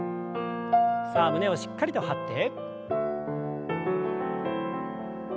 さあ胸をしっかりと張って。